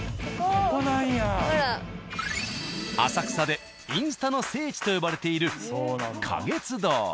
浅草でインスタの聖地と呼ばれている「花月堂」。